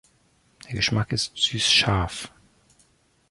Der Geschmack ist süß-scharf.